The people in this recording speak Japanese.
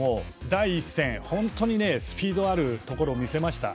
第１戦、本当にスピードがあるところを見せました。